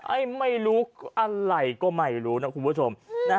ไม่รู้อะไรก็ไม่รู้นะคุณผู้ชม